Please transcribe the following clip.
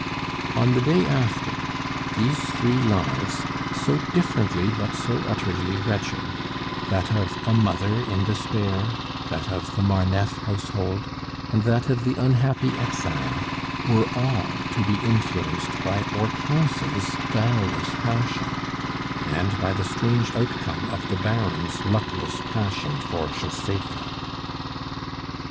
On the day after, these three lives, so differently but so utterly wretched that of a mother in despair, that of the Marneffe household, and that of the unhappy exile were all to be influenced by Hortense's guileless passion, and by the strange outcome of the Baron's luckless passion for Josepha.